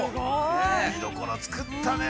◆見どころ作ったね。